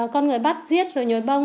con người bắt giết rồi nhồi bông